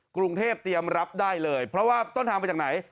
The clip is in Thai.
กรุงเทพเตรียมรับได้เลยเพราะว่าต้นทางไปจากไหน